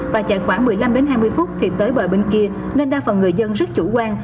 và chạy khoảng một mươi năm hai mươi phút thì tới bờ bên kia nên đa phần người dân rất chủ quan